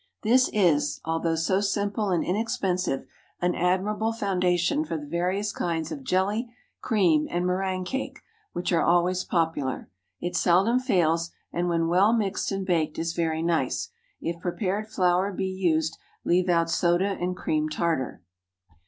This is, although so simple and inexpensive, an admirable foundation for the various kinds of jelly, cream, and méringue cake, which are always popular. It seldom fails, and when well mixed and baked, is very nice. If prepared flour be used leave out soda and cream tartar.